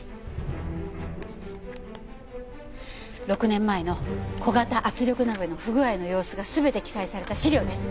６年前の小型圧力鍋の不具合の様子が全て記載された資料です。